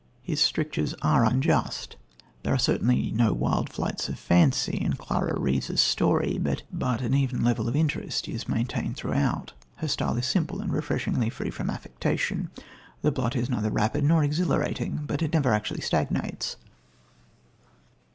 " His strictures are unjust. There are certainly no wild flights of fancy in Clara Reeve's story, but an even level of interest is maintained throughout. Her style is simple and refreshingly free from affectation. The plot is neither rapid nor exhilarating, but it never actually stagnates.